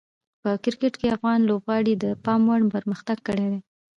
په کرکټ کې افغان لوبغاړي د پام وړ پرمختګ کړی دی.